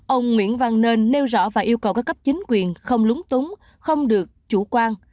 ông nguyễn văn nên nêu rõ và yêu cầu các cấp chính quyền không lúng túng không được chủ quan